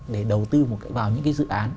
để đầu tư một cái vào những cái dự án